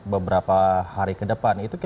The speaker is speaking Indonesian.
beberapa hari ke depan